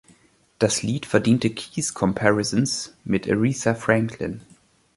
Das Lied verdiente „Keys Comparisons“ mit Aretha Franklin.